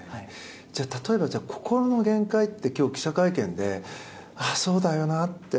例えば心の限界って今日、記者会見でああ、そうだよなって。